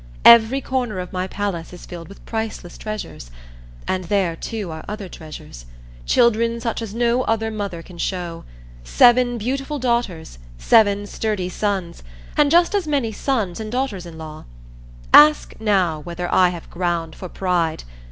Every corner of my palace is filled with priceless treasures; and there, too, are other treasures children such as no other mother can show: seven beautiful daughters, seven sturdy sons, and just as many sons and daughters in law. Ask now whether I have ground for pride.